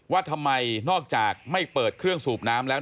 ว่าทำไมนอกจากไม่เปิดเครื่องสูบน้ำแล้ว